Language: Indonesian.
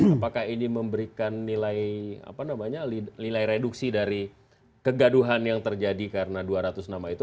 apakah ini memberikan nilai reduksi dari kegaduhan yang terjadi karena dua ratus nama itu